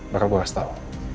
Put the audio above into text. bakal gue kasih tau